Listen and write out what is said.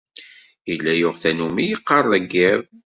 Yella yuɣ tannumi yeqqar deg yiḍ.